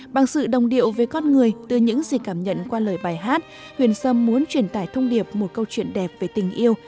bằng sự đồng điệu về con người từ những gì cảm nhận qua lời bài hát huyền sâm muốn truyền tải thông điệp một câu chuyện đẹp về tình yêu